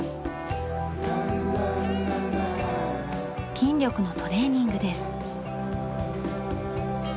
筋力のトレーニングです。